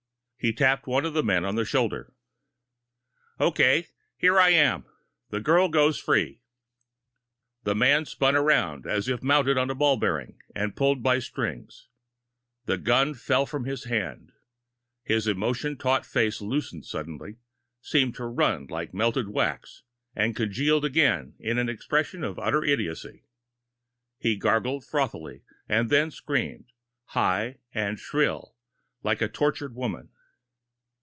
He tapped one of the men on the shoulder. "Okay, here I am. The girl goes free!" The man spun around as if mounted on a ball bearing and pulled by strings. The gun fell from his hands. His emotion taut face loosened suddenly, seemed to run like melted wax, and congealed again in an expression of utter idiocy. He gargled frothily, and then screamed high and shrill, like a tortured woman.